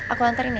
aku hantarin ya